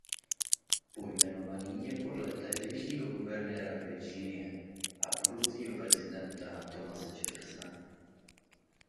Pojmenovaný je podle tehdejšího guvernéra Virginie a budoucího prezidenta Thomase Jeffersona.